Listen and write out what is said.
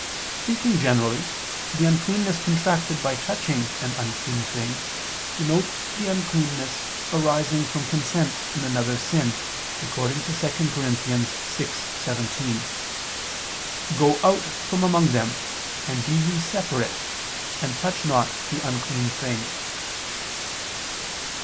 Speaking generally, the uncleanness contracted by touching an unclean thing denotes the uncleanness arising from consent in another's sin, according to 2 Cor. 6:17: "Go out from among them, and be ye separate ... and touch not the unclean thing."